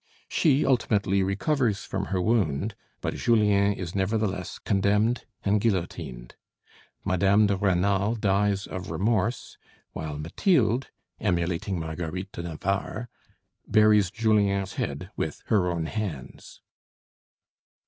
She ultimately recovers from her wound, but Julien is nevertheless condemned and guillotined. Mme. de Rênal dies of remorse, while Mathilde, emulating Marguerite de Navarre, buries Julien's head with her own hands.